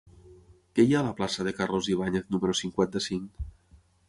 Què hi ha a la plaça de Carlos Ibáñez número cinquanta-cinc?